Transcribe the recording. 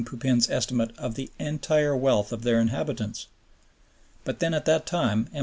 Pupin's estimate of the entire wealth of their inhabitants. But then at that time M.